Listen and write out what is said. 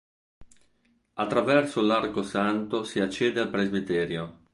Attraverso l'arco santo si accede al presbiterio.